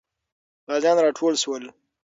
غازیان راټول سول.